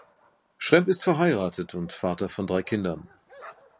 Schrempp ist verheiratet und Vater von drei Kindern.